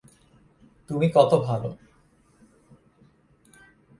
তুমি কত ভালো।